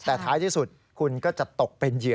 แต่ท้ายที่สุดคุณก็จะตกเป็นเหยื่อ